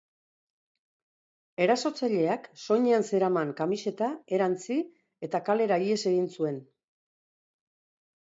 Erasotzaileak soinean zeraman kamiseta erantzi eta kalera ihes egin zuen.